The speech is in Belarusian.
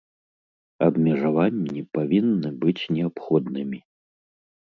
Абмежаванні павінны быць неабходнымі.